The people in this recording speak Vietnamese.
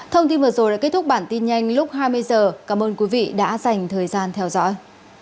thông tin vừa rồi đã kết thúc bản tin nhanh lúc hai mươi h cảm ơn quý vị đã dành thời gian theo dõi